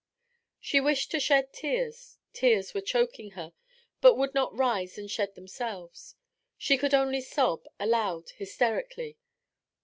She wished to shed tears tears were choking her, but would not rise and shed themselves; she could only sob, aloud, hysterically.